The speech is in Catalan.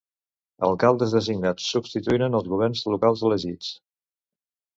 Alcaldes designats substituïren els governs locals elegits.